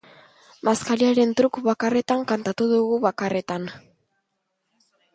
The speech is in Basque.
Bazkariaren truk bakarretan kantatu dugu, bakarretan!